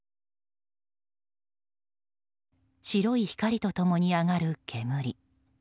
白い光と共に上がる煙。